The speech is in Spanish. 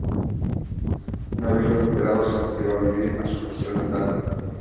Una vez recuperado se retiró a vivir a su región natal.